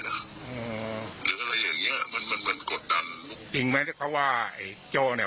หรืออะไรอย่างเงี้ยมันมันเหมือนกดดันจริงไหมที่เขาว่าไอ้โจ้เนี้ย